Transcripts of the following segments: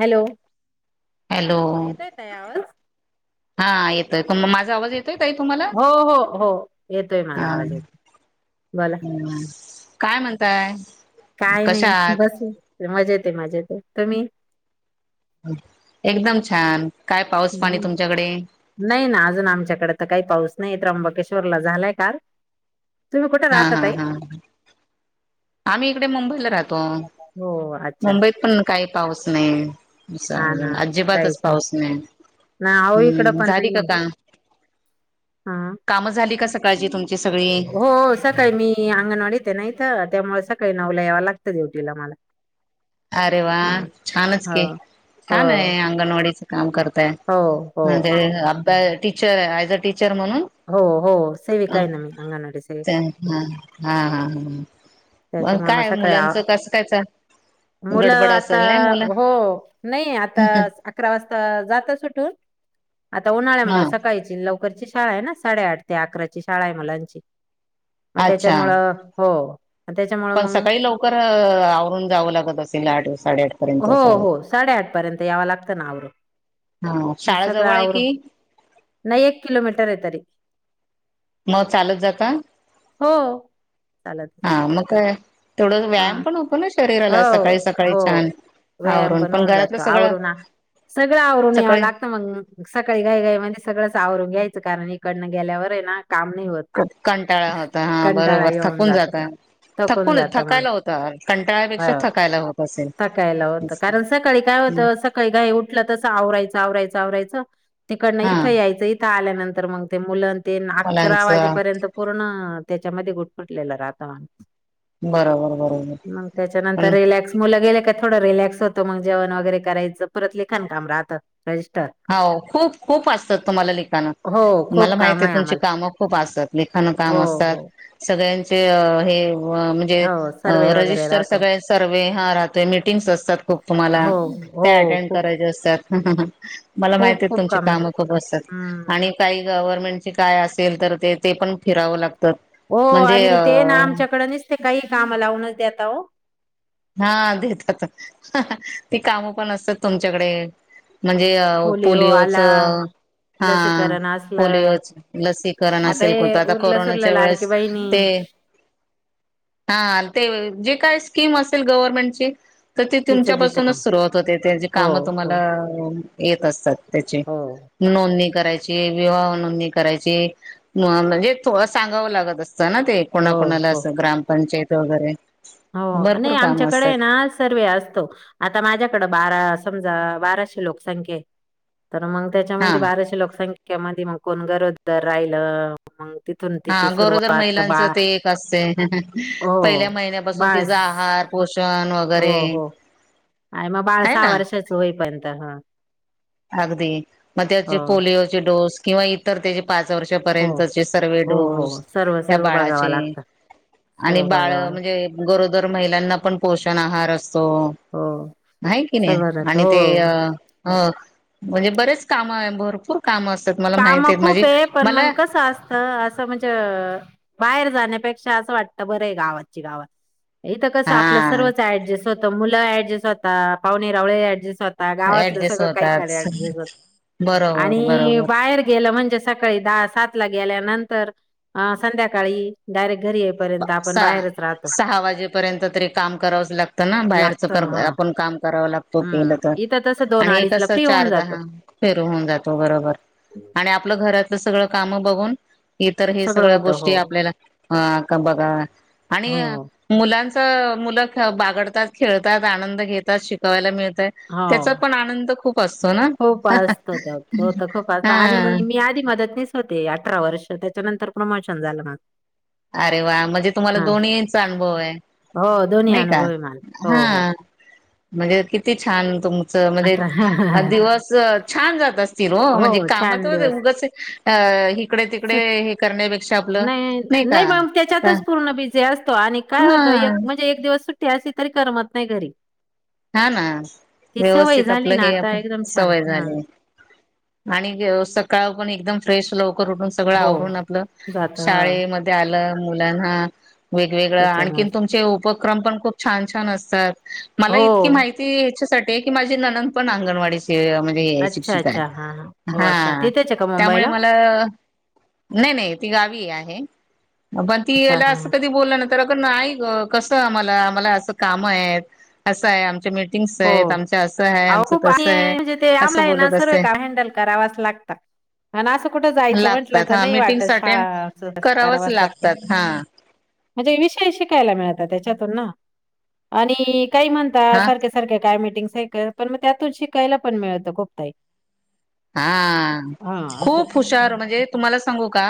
Hello. Hello. येतोय ताई आवाज? हा येतय म माझा आवाज येत. एतय का तुम्हाला? हो हो हो येतोय मला हा आवाज येतो बोला हम्. काय म्हणताय? काय कशा नाही आहात बस, मजेत मजेत, तुम्ही? एकदम छान. काय पाऊस पाणी तुमच्याकडे हम् नाही ना अजून आमच्याकडे तर काही पाऊस. नाही त्र्यंबकेश्वर ला झालंय का? हा हा हा आम्ही इकडे मुंबईला राहतो. हो अच्छा मुंबईत पण काही पाऊस नाही, आणि हा मुसळ ना काहीच अजिबातच पाऊस नाही. ना अहो इकडं हम्म पण झाली का नाही काम? हा काम झाली का? सकाळची तुमची सगळी हो अस काय मी अंगनवाडीत हाय नाहीका. त्यामुळे सकाळी नवला यावं लागतं ड्युटीला मला. अरे वा हा छानच की हो छान हो आहे अंगणवाडीचं काम करत. हो हो आत्ता ते टीचर अ टीचर म्हणून हो हो सेविका अ आहे ना मी अंगणवाडी सेविका ह हा हा ह. म त्याच्यामुळे मग काय सकाळी आ मुलांचं कसं कायच? मुलं आता हो नाही आता अकरा वाजता जात सुटी आता उन्हाळ्यामुळे हा सकाळीची लवकर ची शाळा आहे ना साडेआठ ते अकराची शाळा आहे मुलाची. मग अच्छा त्याच्यामुळं हो. त्याच्यामुळं पण मग सकाळी लवकर आवरून जावं लागत असेल आठ साडेआठ पर्यंत असाव यंत यावं लागतं ना आवर हा शाळा जवळ आहे की नाही एक किलोमीटर आहे तरी. मग चालत जाता? हो चालत हा मग काय? ते थोड हा व्यायाम पण होतो ना शरीराला सकाळी हो सकाळी हो छान. व्यायाम आवरून पण होऊन घरातलं जातो सगळं आवरून आ सगळं आवरून यावं सकाळी लागतं मग सकाळी घाई गाई मध्ये सगळंच आवरून घ्यायचं. कारण इकडनं गेल्यावर आहे ना काम नाही होत खूप कंटाळा होता हा कंटाळा बरोबर येऊन थकून जातो जात. थकून जात मग थकायला होतं कंटाळ्यापेक्षा हो थकायला होत. असेल थकायला होतं कारण सकाळी काय होतं सकाळी घाई उठलं तसं आवरायचं आवरायचं वयच तिकडन हा इथं यायचं इथं आल्यानंतर मग ते मुलं ते अकरा मुलांच वाजेपर्यंत पूर्ण त्याच्यामध्ये गुटफुटलेलं राहतावाण बरोबर बरोबर. मग त्याच्यानंतर पण रिलॅक्स मुलं गेले थोडं रिलॅक्स होतंगेवण वगैरे करायचं परत लिखान काम राहतं. रजिस्टर हो खूप खूप असतात तुम्हाला लिखाणं. हो मला खूप काम माहिती आहे तुमची आम्हाला कामं खूप असतात लिखाण हो काम हो असतात सगळ्यांचे हे म्हणजे हो सर्वे वगैरे रजिस्टर राहतो सगळे सर्व हा राहतोय मिीटिंग्स असतात खूप तुम्हाला. हो हो त्या अटेंड खूप करायचे असतात. मला खूप माहिती खूप तुमची काम राहत खूप असतात हम्म आणि काही गव्हर्नमेंट काय अस तर ते पण फिरावं लागत. हो आणि ते ना आमच्याकड नच ते काही काम लावूनच देता हो. हा देतात ती कामं पण असतात तुमच्याकडे. म्हणजे पोलिओ आला पोलिओचं हा लसीकरण पोलिओ असलं लसीकरण आता असेल कोणतं हे आता उरलं सुरलं कोरोनाच्या लाडकी वेळेस बहिणी ते हा ते जे काय स्कीम असेल गव्हर्मेंटची तर ते तिचं देतं तुमच्यापासूनच काम सुरुवात होते त्यांची हो कामं हो तुम्हाला येत असतात त्याचे हो नोंदणी करायची विवाह नोंदणी करायची म्हणजे थोडं सांगाव लागत अस ना ते हो कुणाकुणाला हो असं ग्रामपंचायत वगैरे हो नाही भरपूर कामं असतात आमच्याकडे ना सर्वे असतो आता माझ्याकड बारा समजा बाराशे लोकसंख्य्या तर मग हा त्याच्यामध्ये बाराश लोकसंख्येमध्ये मग कोण गरोदर राहिलं मग तिथून हा तिची गरोदर सुरुवात महिलांच बा ते एक असते हो पहिल्या महि बास तिचा आहार पोषण हो वगैरे हो आणि मग बाळ आहे सहा ना वर्षाच होईपर्यंत ह अगदी मग त्याचे पोलिओचे डोस किंवा इतर त्याचे पाच हो वर्षापर्यंतचे सर्वे हो हो डोस सर्व ह सर्व बघावं बाळाचे लागतं आणि सर्व बाळ बघावं लागतं म्हणजे गरोदर महिलांना पण पोषण आहार असत तो हो आहे की नाही सर्व राहतं आणि हो ते अ ह म्हणजे बरेच काम आहे भरपूर काम असत काम खूप आहे पण मग कसं असतं असं म्हणजे बाहेर जाण्यापेक्षा असं वाटत बरं आहे गावाची गावात इ तर कसं आपलं हा सर्वच ऍडजस्ट होत मुलं ऍडजस्ट होता पाहुणेरावळे ऍडजस्ट होता ता गावातलं ऍडजस्ट सगळं काही होतात के बरोबर आणि बरोबर बाहेर गे म्हणजे सकाळी दहा सात ला गेल्यानंतर संध्याकाळी डायरेक् र्यंत आपण सहा बाहेरच राह सहा वाजेपर्यंत तरी काम करावंच लागतं ना बाहेरच लागतं हां, आपण काम करावं लागत तो केलं हं. तर इथं तसं आणि एकस फ्री होऊन चार जातं. दहा फेर होन जातो बरोबर आणि आपलं घरातलं सगळ काम बघून इतर हे सगळं सगळ्या होतं. हो, गोष्टी आपल्याला अ बा आणि हो, मु मु मुलं बागडतात खेळतात आनंद घेतात शिकावायला मिळत त्याचा हो. पण आनंद खूप असतो ना खूप असतं हा मदतनीच होते अठरा वर्ष त्याच्यानंतर प्रमोशन झालं म अरे वा म्हणजे तुम्हाला दोन्हीचा अनुभव आहे हो, दोन्ही ब का अनुभव आहे मला. हो, हो. हा म्हणजे किती छान तुमचं म्हणजे दिवस छान जात अस हो, म्हणजे काम छान दिवस. उगच अ इिकडे तिकडे सुट हे करण्यापेक्षा आपलं नाही, नाही मग हा त्याच्यातच पूर्ण बिझी असतो आणि काय होतं एक म्हणजे एक दि सुट्ट्यास इतरी करमत नाही घरी हा ना ती सवय व्यवस्थित आपलं झाली ना हे आता एकदम छान. सवय हां. झाली आणि सकाळ पण एकदम फ्रेश लवकर उठून सगळं हो, आवरून आपलं जातं हां, शाळेमध्ये आलं मुलांना वेगवेगळे आणखीन त्याच्यामुळेच. तुमचे उपक्रम पण खूप छान छान असतात मला हो इतकी माहिती ह्याच्यासाठी की माझे ननन पण अंगणवाडी म्हणजे अच्छा, शिक्षिक अच्छा. हां, हां. हो, हा अच्छा. तिथेच आहे का त्यामुळे मुंबईला? मला नाही नाही ती गावी आहे पण ती अच्छा, याला असं हां. कधी बोललं ना तर अगं कस आम्हाला आम्हाला असं काम आहेत असं आहे आमच्या मि हो खूप आहे. म्हणजे ते आमला असं आहे ना बोलत सर्व असते का हँडल करावाच लागत आणिण असं कुठं जायचं म्हंटलं लागतात तर हा नाही वाटत मीटिंग्स अटेंड शाळा करावंच करावाच लाग लागतात हा म्हणजे विषय शिकायला मिळत त्याच्यातून ना आणि काही म्हणता हा सारखे काय मीटिंग पण मग त्यातून शिकायला पण मिळतं खूप तही हा असं. खूप हुशार म्हणजे तुम्हाला सांगू का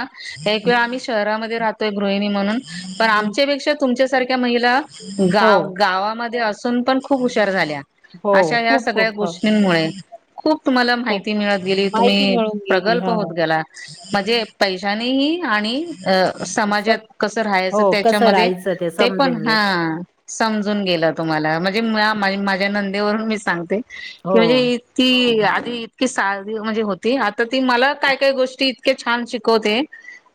एक हं, वेळा आम्ही शहरामध्ये राहो गृहिणी म्हणून पण हं. आमच्यापेक्षा तुमच्या सारख्या महिला गा हो, गावामध्ये ून पण खूप हुशार झाल्या हो. अशा या खूप, सगळ्या खूप. हो, गोष्टींमुळे खूप तुम्हाला खूप. माहिती मिळत गेली माहिती तुम्ही मिळून गेली. प्रगल्प हां. होत गेला म्हणजे पैशानीही आणि अ असं समाजात कसं राहायचं हो, कसं त्याच्यामध्ये राहायचं ते पण समजून घे. हा समजून गेले तुला म्हणजे माझ्या नंदेवरून मी सांगते की हो. म्हणजे ती आध की सा म्हणजे होती आता ती मला काय काय गोष्टी इतके छान शिकवते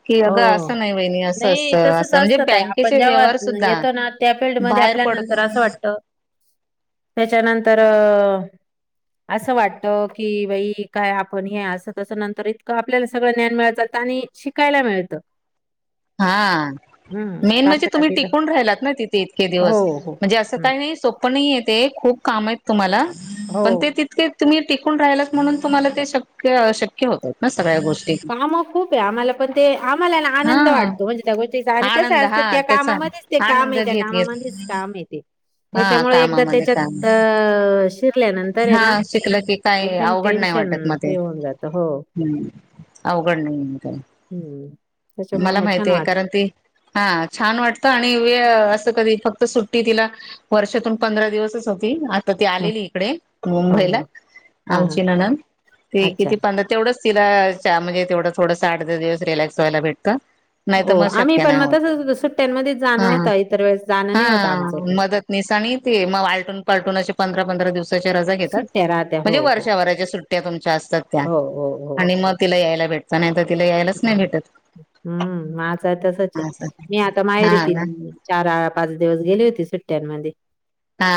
की अगं असं हो. नाही वहिणी, असं असतं, नाही तसंच असं म्हणजे असतं ताई आपण बँकेचे व्यवहार सुद्धा बाहेर,,,, पडत नंतर असं वाटत,,,,, त्याच्यानंतरऽऽ असं वाटत की बाई काय आपण हे असं तसं नंतर इतकं आपल्याला सगळं ज्ञान मिळाचात... आणि शिकायला मिळतं.. हाऽऽ हं, मेन म्हणजे तारखं तुम्ही टाकीत टिकून राहिलात ना तिथे इतके हो, दिवस हो. म्हणजे असं हं, काही नाही सोप नाही ये ते खूप कामं,,,,, तुम्हाला पण ते हो. तितके तुम्ही टिकून राहिलात म्हणून तुम्हाला ते शक्य शक्य होत ना. सगळ्या गोष्टी कामं खूप आहे आम्हाला पण ते आम्हालानां हा आनंद वाटतो.... म्हणजे त्या गोष्टीचा,,, आणि कसं आनंद असतं हा त्या त्याचा कामामध्येच ते काम आनंद आहे त्या घेत घेत कामामध्येच काम य ते.. हा त्याच्यामुळे एकदा कामामध्ये काम त्याच्यात अऽऽऽ शिरल्यानंतर आहे ना हा शिकलं की काय एकदम अवघड टेनश.. नाही शन वाटत मग ते फ्री होऊन जात हो.. हम्म अवघड नाही,,,, हं. त्याच्यामुळे मला मग छान माहिती आहे वाटतं. कारण ती,,,, हा छान वाटत आणि वे असं कधी फक्त सुटऽऽऽ टी तिला वर्षातून पंधरा दिवसच होती. तर ती हो, आलेली इकडे, हो, मुंबईला,, हो. हां, हां. आमची ननंद ते अच्छा. किती पंधरा तेवढंच... तिला म्हणजे तेवढं थोडसं आठ, धा दिवस रिलॅक्स वायला भेटतं... नाही तर हो, मग आम्ही शक्य पण नाही मग होत,,, तसंच होतं सुट्ट्यांमध्येच जाणं ह होतं, इतर वेळेस जाणं हा नाही होतं आमचं पण. मदतनीस,,, ठिकाणी ते मग आलटून पलटून अशे पंधरा.. पंधरा रजा घेतात,,, सुट्ट्या राहत्या. म्हणजे हो, हो. वर्षाभराच्या सुट्ट्या तुमच्या असतात त्या. हो, हो, हो. आणि मग तिला यायला भेटतं, नाही तर तिला यायलाच नाही भेटतं.... हम्म,, माझं आहे तसच आहे, मी आता माहेर हा ये ना तीनचाऽऽ ारा पाच दिवस गेले होते सुट्ट्यांमध्ये. हा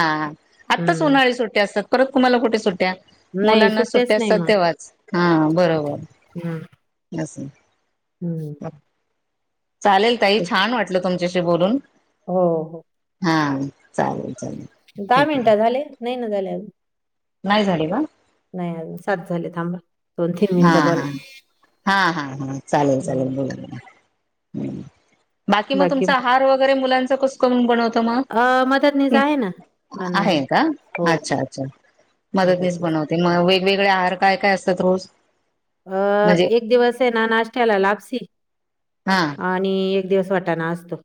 आत्ताच हं. ऊन्हाळी सुट्ट्या असतात परत तुम्हाला कुठे सुट्ट्या.. नाही मुलांना सुट्ट्याच सुट्टे नाही असतात,, मग. तेव्हाच हा बरोबच हम्म.. चालेल ताई छान वाटलं तुमच्याशी बोलून.. होऽ होऽ हा,, चालेल. चालेल दहा ठीक आहे मिनटं झाले,, नाही ना झाले अजून,. नाही झाले वाऽऽ नाही अजून सात झाले थांबा.. दोन तीन हा मिनिटं हा बोला. हा हा हा चालेल चालेल हम्म. बोला.. बाकी मग तुमचा आहार वगैरे मुलांच कसक बनत अ मदतनीस जा आहे ना बनवायला आहे का हो अच्छा हो.. अच्छा मदतनीस बनवते मग वेऋगवेगळे आहार काय काय असतात रोज म्हणजे अंऽऽ एक दिवस आहे ना नाश्त्याला लापसी हा आणिऽऽ एक दिवस वाटाना असतो..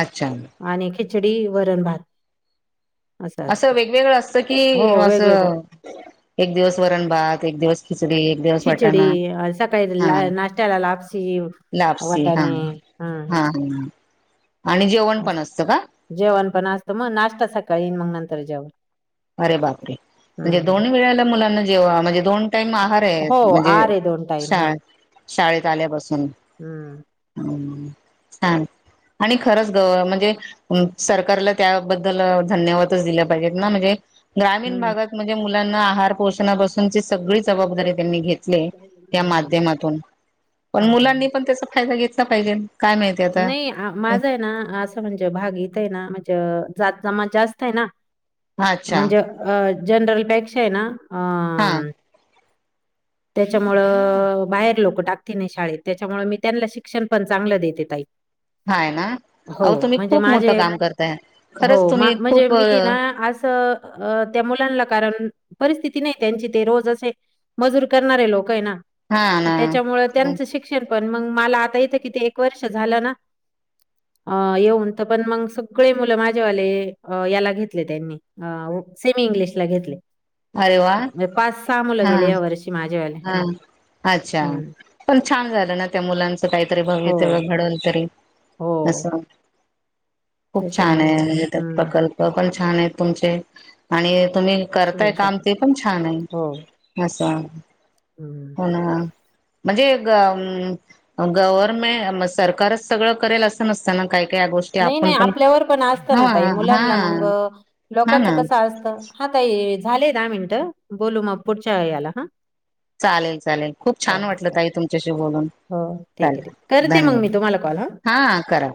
अच्छा चडी वरण भात अस असं असत वेगवेगळं असतं की हो वेगवेगळं. असं एक दिवस वरण भात एक दिवस खिचडी एक दिवस खिचडी वाटाणा सकाळी हा ला नाश््याला लाग.. अशी लापसी हा वाटाने,, हम्म. हा हा आणि जेवण पण असतं का जेवण पण असत, मग नाश्ता सकाळी मग नंतर जेवण.. अरे बापरे! म्हणजे हं, हं. दोन वेळाला मुलांना जेव्हा म्हणजे दोन टाइम आहार आहे हो, म्हणजे.. आहार आहे टाईम. हो. शा,,, शाळेत आल्यापासून हं. छांन.. आणि खरंच ग,, म्हणजे सरकारला त्याबद्दल धन्यवादच दिले पाहिजेत ना म्हणजे.. ग्रामीण हं. भागात म्हणजे मुलांना आहार पोषणापासूनची सगळी जबाबदारी. त्यांनी घेतले, त्या हं, माध्यमातून पण हं, हं. मुलांनी पण त्याचा फायदा घेतला पाहिजे.. काय माहिती आता नाही माझा आहे ना, असं म्हणजे भाग येत आहे ना म्हणजे,, जात जमा जास्त आहे ना अच्छा म्हणजे अऽऽजनरल पेक्षा आहे नाऽऽ [inaudible] हा त्याच्यामुळं बाहेर लोक टाकते नाही शाळेत त्याच्यामुळ मी त्यांना शिक्षण पण चांगलं देते ताई [inaudible] हाय ना [inaudible] हो अहो तुम्ही म्हणजे खूप माझे मोठं काम करताय हो खरंच तुम्ही म्हणजे खूप मी ना अस [inaudible] मुलांना कारण परिस्थिती नाही त्यांची ते रोज असे मजूर करणारे लोक आहे ना हा [inaudible] ना त्याच्यामु त्यांचं शिक्षण पण मग मला आता इथं किती एक वर्ष झालं ना [inaudible] अ येऊन तर पण मग सगळे मुलं माझेवाले याला घेतले त्यांनी [inaudible] स इ अरे वा पाच स हा गे वर्ष [inaudible] माझ्यावाले हा [inaudible] अच्छा पण छान झालं ना त्या मुलांचं काहीतरी हो, भवित्य घडल तरी [inaudible] हो. अचछा [inaudible] खूप छान त्याच्यामुळे आहे मग म्हे हं. प्रकल्प पण छान आहेत तुमचे आणि तुम्ही करताय [inaudible] काम ते पण छान हो, आहे हं. असंणा [inaudible] म्हणजे गव्हर्में सरकारच सगळं करेल असं नसताना [inaudible] नाही नाही आपल्यावर पण असत ना हा तई हा मुलांना मग हा लोकांच ना कसं असत [inaudible] हा तई झालेय दहा मिनिटं बोलू मग पुढच्या वे याला हा [inaudible] चालेल चालेल खूप छान वाटल ताई तुमच्याशी बोलून [inaudible] ठीक आहे क चालेल करते मग मी धन्यवाद तुम्हाला कॉ हा करा